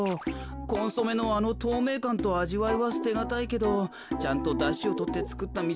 コンソメのあのとうめいかんとあじわいはすてがたいけどちゃんとだしをとってつくったみ